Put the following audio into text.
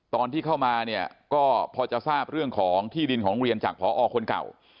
ตอนที่เข้ามาเนี่ยก็พอจะทราบเรื่องของที่ดินของโรงเรียนจากพอคนเก่า